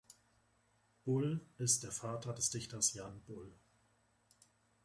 Bull ist Vater des Dichters Jan Bull.